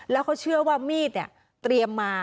แล้วเขาเชื่อว่ามีดเนี่ยเตรียมมา